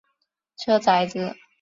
车仔电。